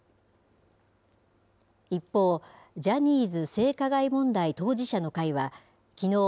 一方、ジャニーズ性加害問題当事者の会は、きのう、